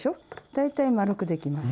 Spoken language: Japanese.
大体丸くできます。